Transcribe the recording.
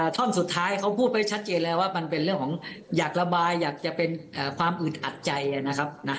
ท่อนสุดท้ายเขาพูดไว้ชัดเจนแล้วว่ามันเป็นเรื่องของอยากระบายอยากจะเป็นความอึดอัดใจนะครับนะ